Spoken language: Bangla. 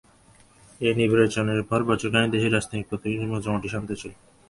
এই নির্বাচনের পর বছর খানেক দেশের রাজনৈতিক পরিস্থিতি মোটামুটি শান্ত ছিল।